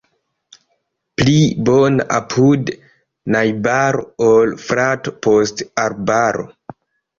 Pli bona apude najbaro, ol frato post arbaro.